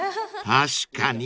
［確かに。